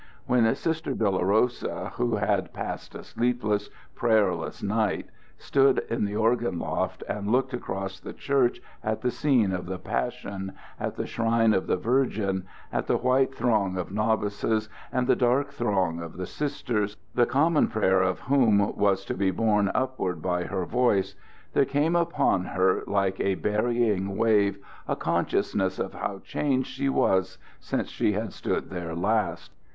When Sister Dolorosa, who had passed a sleepless, prayerless night, stood in the organ loft and looked across the church at the scene of the Passion, at the shrine of the Virgin, at the white throng of novices and the dark throng of the Sisters, the common prayer of whom was to be borne upward by her voice, there came upon her like a burying wave a consciousness of how changed she was since she had stood there last.